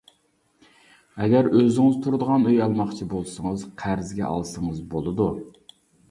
ئەگەر ئۆزىڭىز تۇرىدىغان ئۆي ئالماقچى بولسىڭىز، قەرزگە ئالسىڭىز بولىدۇ.